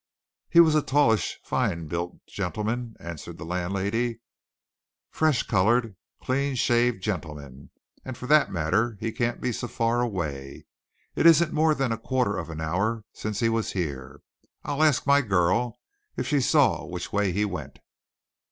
"He was a tallish, fine built gentleman," answered the landlady. "Fresh coloured, clean shaved gentleman. And for that matter, he can't be so far away it isn't more than a quarter of an hour since he was here. I'll ask my girl if she saw which way he went."